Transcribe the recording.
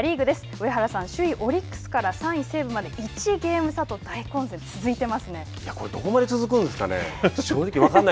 上原さん、首位オリックスから３位西武まで１ゲーム差と大混戦が続いていまこれどこまで続くんですかね。